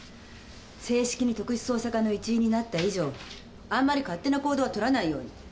正式に特殊捜査課の一員になった以上あんまり勝手な行動は取らないように。